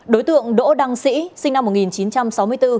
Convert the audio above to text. đối tượng đỗ đăng sĩ sinh năm một nghìn chín trăm sáu mươi bốn